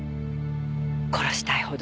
殺したいほどに。